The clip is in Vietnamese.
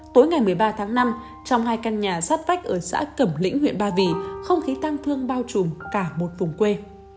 tối ngày một mươi ba tháng năm trong hai căn nhà sát vách ở xã cẩm lĩnh huyện ba vì không khí tăng thương bao trùm cả một vùng quê